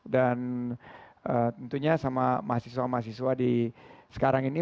dan tentunya sama mahasiswa mahasiswa di sekarang ini